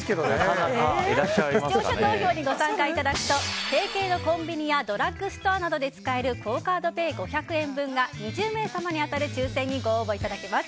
視聴者投票にご参加いただくと提携のコンビニやドラッグストアなどで使えるクオ・カードペイ５００円分が２０名様に当たる抽選にご応募いただけます。